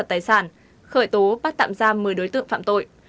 bắt giật tài sản khởi tố bắt tạm giam một mươi đối tượng phạm tội